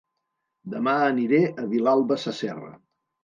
Dema aniré a Vilalba Sasserra